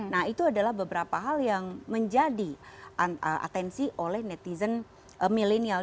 nah itu adalah beberapa hal yang menjadi atensi oleh netizen milenial